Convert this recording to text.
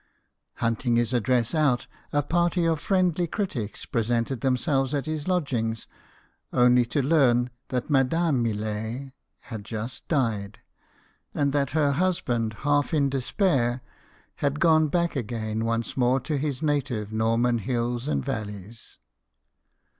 " Hunt ing his address out, a party of friendly critics presented themselves at his lodgings, only to learn that Madame Millet had just died, and that her husband, half in despair, had gone back again once more to his native Norman hills and valleys.